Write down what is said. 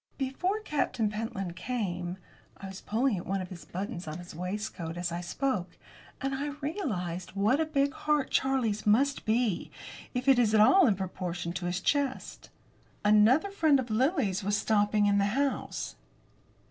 "Before Captain Pentland came" I was pulling at one of the buttons on his waistcoat as I spoke, and I realised what a big heart Charlie's must be, if it was at all in proportion to his chest "another friend of Lily's was stopping in the house."